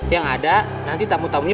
yang ada nanti tamu tamunya